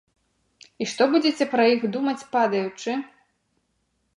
І што будзеце пра іх думаць падаючы?